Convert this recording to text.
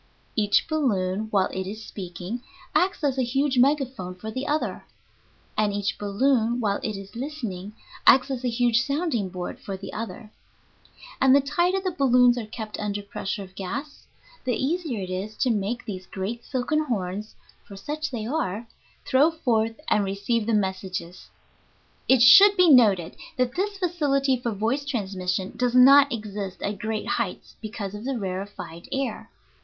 Each balloon, while it is speaking, acts as a huge megaphone for the other, and each balloon, while it is listening, acts as a huge sounding board for the other; and the tighter the balloons are kept under pressure of gas, the easier it is to make these great silken horns (for such they are) throw forth and receive the messages. It should be noted that this facility for voice transmission does not exist at great heights because of the rarefied air.